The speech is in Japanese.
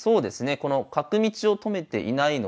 この角道を止めていないのをね